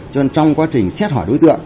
cho nên trong quá trình xét hỏi đối tượng